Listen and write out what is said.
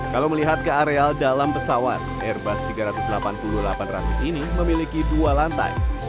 kalau melihat ke areal dalam pesawat airbus tiga ratus delapan puluh delapan ratus ini memiliki dua lantai